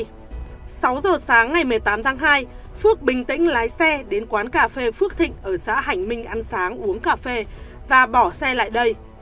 sáu giờ sáng ngày một mươi tám tháng hai phước bình tĩnh lái xe đến quán cà phê phước thịnh ở xã hành minh ăn sáng uống cà phê và bỏ xe lại đây